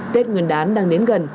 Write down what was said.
tết nguyên đán đang đến gần